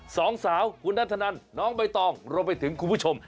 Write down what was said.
สองสาวคุณนัทธนันน้องใบตองรวมไปถึงคุณผู้ชม